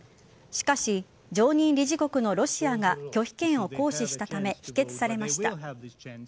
しかし、常任理事国のロシアが拒否権を行使したため否決されました。